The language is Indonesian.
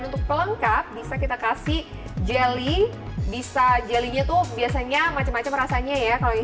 untuk pelengkap bisa kita kasih jelly bisa jelly nya tuh biasanya macam macam rasanya ya kalau yang